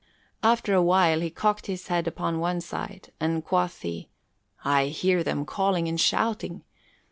After a while, he cocked his head upon one side; and quoth he, "I hear them calling and shouting!